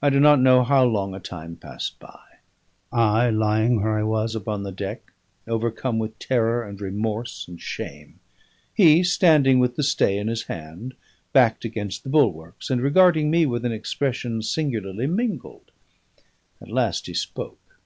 I do not know how long a time passed by: I lying where I was upon the deck, overcome with terror and remorse and shame: he standing with the stay in his hand, backed against the bulwarks, and regarding me with an expression singularly mingled. At last he spoke.